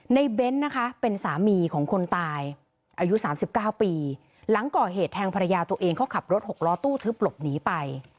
เบ้นนะคะเป็นสามีของคนตายอายุ๓๙ปีหลังก่อเหตุแทงภรรยาตัวเองเขาขับรถหกล้อตู้ทึบหลบหนีไป